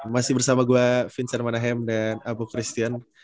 masih bersama gue vincent manahem dan abu christian